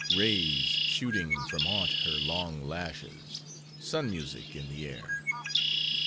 Rays shooting from ont her long lashes,— Sun music in the air!